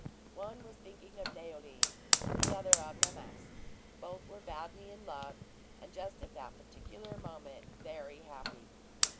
One was thinking of Leoline, the other of La Masque, and both were badly in love, and just at that particular moment very happy.